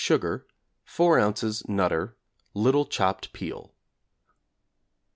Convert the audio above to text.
sugar, 4 ozs. 'Nutter,' little chopped peel.